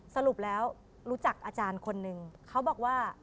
สรุปแล้วรู้จักอาจารย์คนนึงเขาบอกว่า